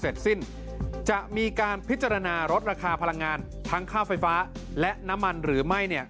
เสร็จสิ้นจะมีการพิจารณาลดราคาพลังงานทั้งค่าไฟฟ้าและน้ำมันหรือไม่